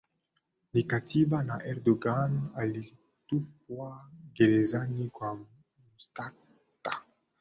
na katiba na Erdogan alitupwa gerezani kwa mashtaka